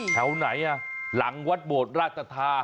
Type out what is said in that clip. แถวไหนหลังวัดโบสรราชทธา